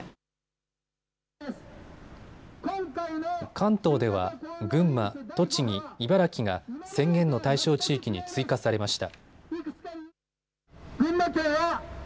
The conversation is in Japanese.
関東では群馬、栃木、茨城が宣言の対象地域に追加されました。